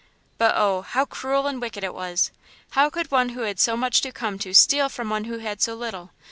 But oh! how cruel and wicked it was! How could one who had so much come to steal from one who had so little?